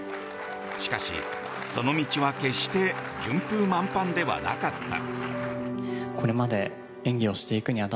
しかし、その道は決して順風満帆ではなかった。